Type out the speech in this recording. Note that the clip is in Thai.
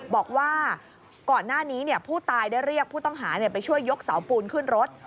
บอกว่าก่อนหน้านี้ผู้ตายได้เรียกผู้ต้องหาไปช่วยยกเสาปูนขึ้นรถ